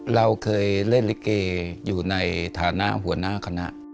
เราเคยเล่นลิเกอยู่ในฐานะหัวหน้าคณะ